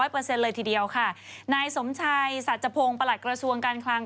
เปอร์เซ็นต์เลยทีเดียวค่ะนายสมชัยสัจจพงศ์ประหลักกระทรวงการคลาง